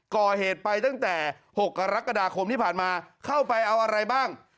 ก่อเหตุไปตั้งแต่๖กรกฎาคมที่ผ่านมาเข้าไปเอาอะไรบ้าง